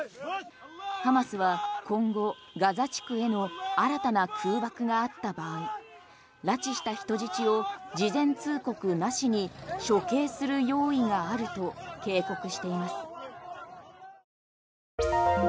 ハマスは今後ガザ地区への新たな空爆があった場合拉致した人質を事前通告なしに処刑する用意があると警告しています。